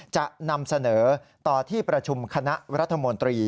จะนำเสนอต่อที่ประชุมคณะรัฐมนตรี